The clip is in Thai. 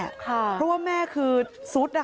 เพราะว่าแม่คือซุด